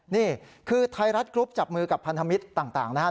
นี่คือไทยรัฐกรุ๊ปจับมือกับพันธมิตรต่างนะฮะ